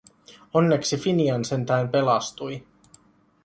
Onneksi Finian sentään pelastui.